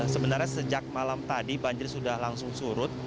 sebenarnya sejak malam tadi banjir sudah langsung surut